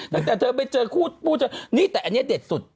ตั้งแต่เธอไปเจอคู่เจอนี่แต่อันนี้เด็ดสุด